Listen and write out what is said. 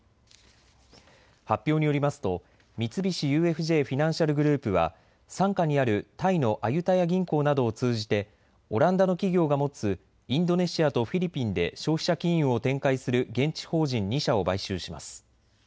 発表によりますと三菱ＵＦＪフィナンシャル・グループは傘下にあるタイのアユタヤ銀行などを通じてオランダの企業が持つインドネシアとフィリピンで消費者金融を展開する現地法人２社を買収します。